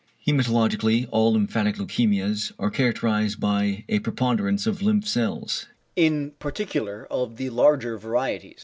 Hæmatologically, all lymphatic leukæmias are characterised by a great preponderance of lymph cells, in particular of the larger varieties.